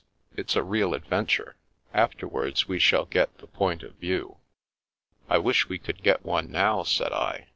It's a real adventure. After wards we shall get the point of view." " I wish we could get one now," said I.